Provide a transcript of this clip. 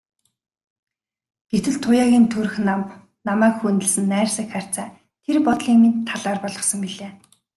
Гэтэл Туяагийн төрх намба, намайг хүндэлсэн найрсаг харьцаа тэр бодлыг минь талаар болгосон билээ.